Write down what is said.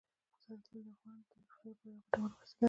زردالو د افغانانو د تفریح لپاره یوه ګټوره وسیله ده.